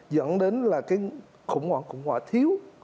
dẫn đến là cái khủng hoảng khủng hoảng thiếu